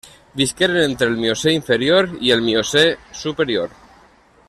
Visqueren entre el Miocè inferior i el Miocè superior.